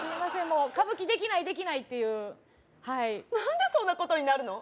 もう「歌舞伎できないできない」っていうなんでそんなことになるの？